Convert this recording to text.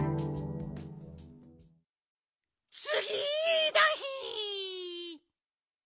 つぎのひ。